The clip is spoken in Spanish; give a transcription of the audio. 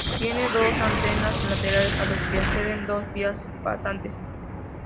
Tiene dos andenes laterales a los que acceden dos vías pasantes.